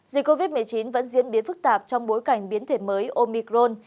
dịch covid một mươi chín vẫn diễn biến phức tạp trong bối cảnh biến thể mới omicron